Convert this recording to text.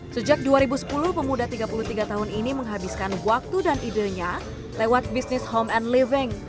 sejak dua ribu sepuluh pemuda tiga puluh tiga tahun ini menghabiskan waktu dan idenya lewat bisnis home and living